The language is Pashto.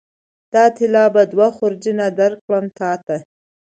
د طلا به دوه خورجینه درکړم تاته